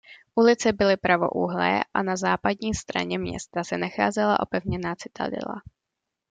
Ulice byly pravoúhlé a na západní straně města se nacházela opevněná citadela.